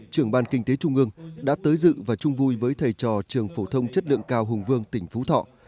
trưởng ban kinh tế trung ương đã tới dự và chung vui với thầy trò trường phổ thông chất lượng cao hùng vương tỉnh phú thọ